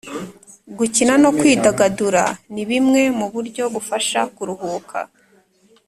gukina no kwidagadura ni bumwe mu buryo bufasha kuruhuka